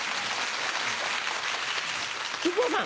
木久扇さん。